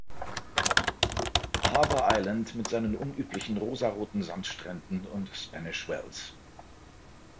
Harbour Island mit seinen unüblichen rosaroten Sandstränden und Spanish Wells.